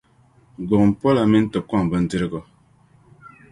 Gbuɣim’ pola min ti kɔŋ bindirigu.